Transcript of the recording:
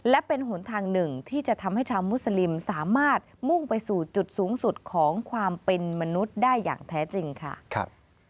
และเป็นหนทางหนึ่งที่จะทำให้ชาวมุสลิมสามารถมุ่งไปสู่จุดสูงสุดของความเป็นมนุษย์ได้อย่างแท้จริงค่ะ